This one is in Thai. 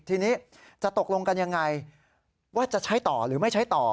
ทีนี้จะตกลงกันยังไงว่าจะใช้ต่อหรือไม่ใช้ต่อ